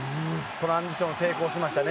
トランジション成功しましたね。